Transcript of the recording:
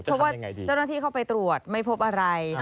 เพราะว่าเจ้าหน้าที่เข้าไปตรวจไม่พบอะไร